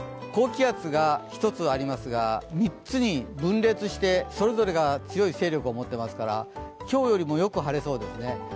高気圧が１つありますが、３つに分裂してそれぞれが強い勢力を持っていますから、今日よりもよく晴れそうですね。